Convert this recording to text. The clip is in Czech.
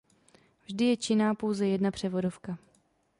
Vždy je činná pouze jedna převodovka.